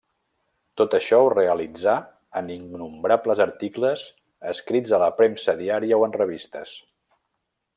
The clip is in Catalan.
Tot això ho realitzà en innombrables articles escrits a la premsa diària o en revistes.